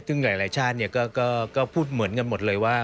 ซึ่งหลายชาติก็พูดเหมือนกันหมดเลยว่า